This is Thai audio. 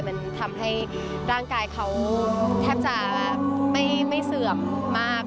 มันทำให้ร่างกายเขาแทบจะไม่เสื่อมมาก